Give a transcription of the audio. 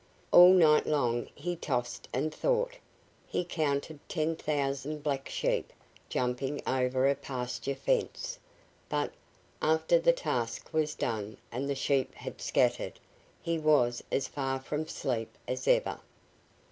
All night long he tossed and thought. He counted ten thousand black sheep jumping over a pasture fence, but, after the task was done and the sheep had scattered, he was as far from sleep as ever.